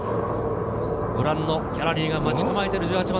ご覧のギャラリーが待ち構えている１８番。